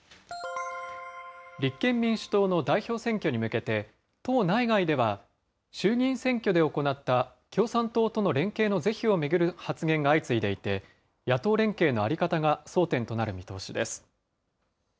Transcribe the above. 立憲民主党の代表選挙に向けて、党内外では、衆議院選挙で行った、共産党との連携の是非を巡る発言が相次いでいて、野党連携の在り方が争点となる見通しです。